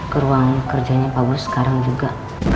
ke ruang kerjanya pak bos sekarang juga